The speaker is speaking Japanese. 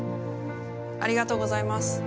ありがとうございます。